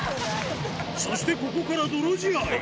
そしてここから泥仕合。